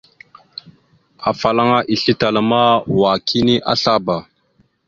Afalaŋa islétala ma wa kini azlaba.